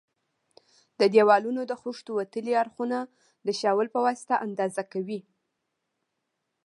د دېوالونو د خښتو وتلي اړخونه د شاول په واسطه اندازه کوي.